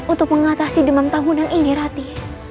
untuk mengatasi demam tahunan ini rati